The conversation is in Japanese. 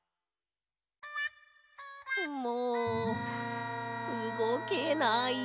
もううごけない。